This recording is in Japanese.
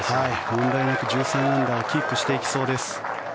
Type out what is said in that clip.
問題なく１３アンダーをキープしていきそうです。